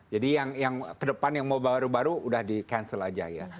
jadi yang kedepan yang mau baru baru sudah di cancel aja ya